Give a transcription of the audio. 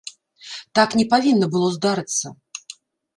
Так не павінна было здарыцца.